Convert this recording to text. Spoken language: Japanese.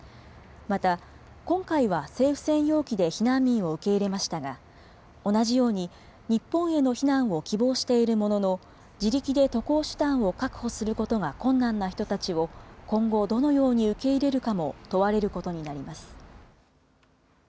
また、今回は政府専用機で避難民を受け入れましたが、同じように日本への避難を希望しているものの、自力で渡航手段を確保することが困難な人たちを今後、どのように受け入れるかも問われることになります。